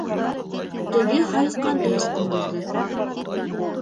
Тегеһе һайыҫҡанды ысҡындырҙы.